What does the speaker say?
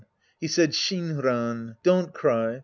He said, " Shinran. Don't cry.